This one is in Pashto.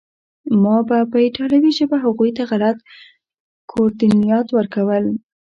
ما به په ایټالوي ژبه هغوی ته غلط کوردینات ورکول